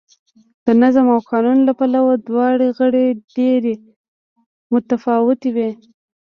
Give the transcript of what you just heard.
د نظم او قانون له پلوه دواړه غاړې ډېرې متفاوتې وې